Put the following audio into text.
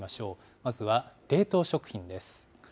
まずは冷凍食品です。